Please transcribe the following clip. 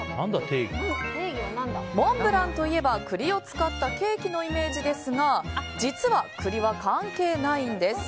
モンブランといえば、栗を使ったケーキのイメージですが実は栗は関係ないんです。